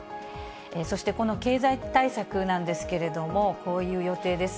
そしてこの経済対策なんですけれども、こういう予定です。